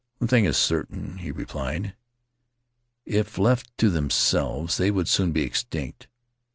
"One thing is certain," he replied — "if left to them selves they would soon be extinct.